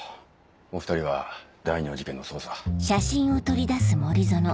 お２人は第２の事件の捜査。